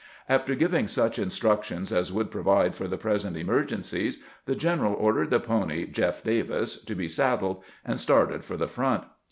After giving such instructions as would provide for the present emergencies, the general ordered the pony " Jeff Davis " to be saddled, and started for the front.